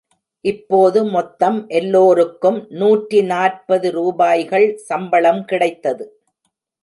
இப்போது மொத்தம் எல்லோருக்கும் நூற்றி நாற்பது ரூபாய்கள் சம்பளம் கிடைத்தது.